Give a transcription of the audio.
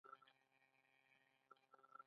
ډیلي سیاسي پلازمینه ده.